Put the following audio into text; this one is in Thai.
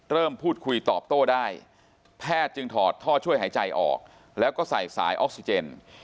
เริ่มพูดคุยตอบโต้ได้แพทย์จึงถอดท่อช่วยหายใจออกแล้วก็ใส่สายออกซิเจน